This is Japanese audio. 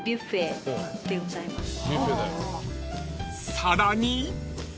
［さらに］